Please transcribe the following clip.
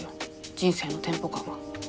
人生のテンポ感が。